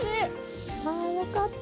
あよかった。